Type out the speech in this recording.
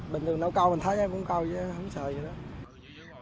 bình thường nó câu mình thấy cũng câu chứ không sợ gì đâu